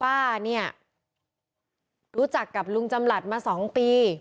ป้าเนี่ยรู้จักกับลุงจำหลัดมา๒ปี